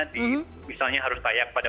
di misalnya harus tayak pada